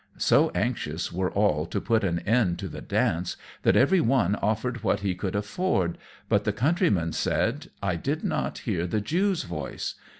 So anxious were all to put an end to the dance that every one offered what he could afford, but the Countryman said, "I did not hear the Jew's voice.